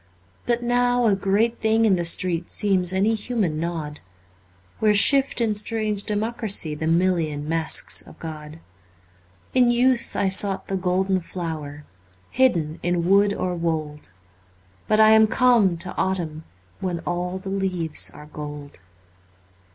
But now a great thing in the street Seems any human nod, Where shift in strange democracy The million masks of God. In youth I sought the golden flower Hidden in wood or wold. But I am come to autumn, When all the leaves are gold.